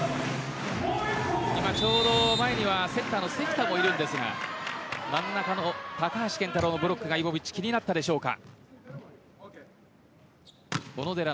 今、ちょうど前にはセッターの関田もいるんですが真ん中の高橋健太郎のブロックがイボビッチ気になったでしょうか。